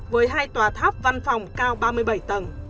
với hai tòa tháp văn phòng cao ba mươi bảy tầng